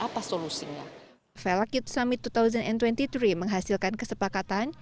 pemuda jawa barat